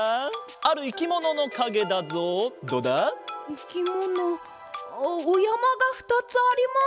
いきものおやまが２つあります。